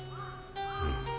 うん。